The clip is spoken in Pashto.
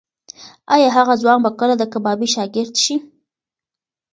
ایا هغه ځوان به کله د کبابي شاګرد شي؟